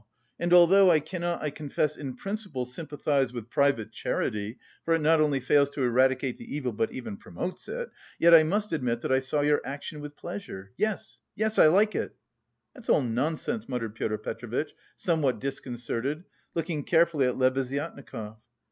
And although I cannot, I confess, in principle sympathise with private charity, for it not only fails to eradicate the evil but even promotes it, yet I must admit that I saw your action with pleasure yes, yes, I like it." "That's all nonsense," muttered Pyotr Petrovitch, somewhat disconcerted, looking carefully at Lebeziatnikov.